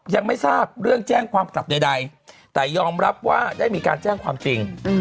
ยังไม่ทราบเรื่องแจ้งความกลับใดแต่ยอมรับว่าได้มีการแจ้งความจริง